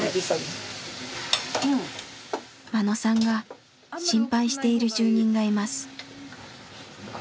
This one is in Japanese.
眞野さんが心配している住人がいます。